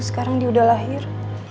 sekarang dia udah lahir